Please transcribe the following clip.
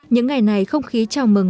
những ngày này không khí chào mừng